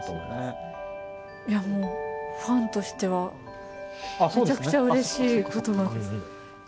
いやもうファンとしてはめちゃくちゃうれしい言葉です。